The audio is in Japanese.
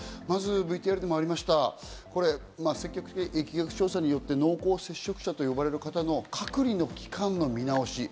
まずＶＴＲでもありました、積極的疫学調査によって濃厚接触者と呼ばれる方の隔離の期間の見直し。